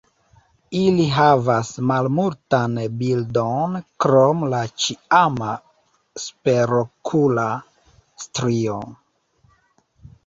Ili havas malmultan bildon krom la ĉiama superokula strio.